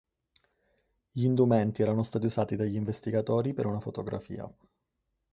Gli indumenti erano stati usati dagli investigatori per una fotografia.